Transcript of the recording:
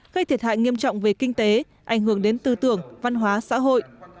gây thiệt hại nghiêm trọng về kinh tế ảnh hưởng đến tư tưởng văn hóa xã hội